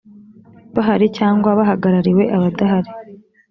bahari cyangwa bahagarariwe abadahari